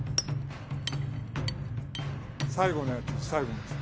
最後のやつです